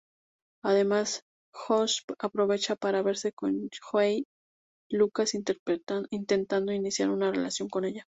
Además, Josh aprovecha para verse con Joey Lucas, intentando iniciar una relación con ella.